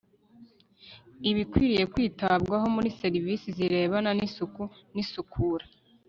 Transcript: ibikwiye kwitabwaho muri serivisi zirebana n' isuku n' isukura